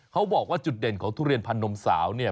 เขาบอกว่าจุดเด่นของทุเรียนพันนมสาวเนี่ย